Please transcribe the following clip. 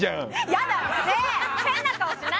嫌だ！